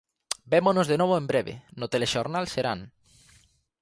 Vémonos de novo en breve, no Telexornal Serán.